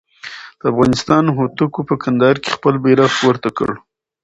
د افغانستان هوتکو په کندهار کې خپل بیرغ پورته کړ.